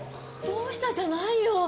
どうしたじゃないよ。